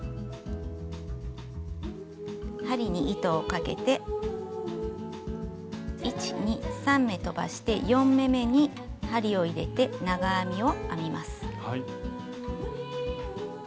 針に糸をかけて１２３目とばして４目めに針を入れて長編みを編みます。